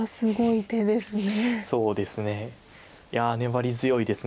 いや粘り強いです